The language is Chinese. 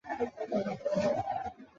累积创业人脉与技术